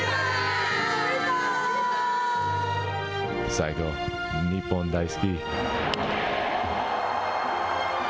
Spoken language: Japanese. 最高、日本大好き。